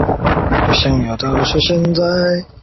此举导致欧塞尔地区铁路客流量不断减少。